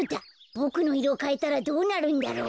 ボクのいろをかえたらどうなるんだろう。